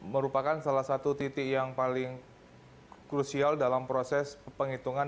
merupakan salah satu titik yang paling krusial dalam proses penghitungan